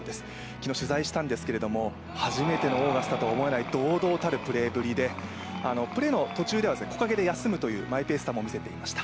昨日、取材したんですけども初めてのオーガスタとは思えない堂々たるプレーっぷりでプレーの途中では木陰で休むというマイペースさも見せていました。